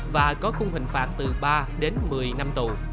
và có khung hình phạt từ ba đến một mươi năm tù